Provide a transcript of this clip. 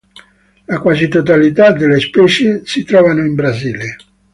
La quasi totalità delle specie si trovano in Brasile.